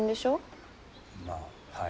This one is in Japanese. まあはい。